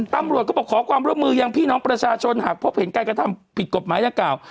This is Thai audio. ตำรวจก็บอกขอความร่วมมือยังพี่น้องประชาชนหากพบเห็นการกระทำผิดกฎหมายดังกล่าว